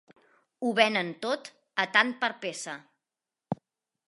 Ho venen tot a tant la peça.